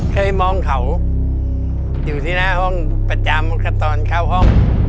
เคยมองเขาอยู่ที่หน้าห้องประจำตอนเข้าห้อง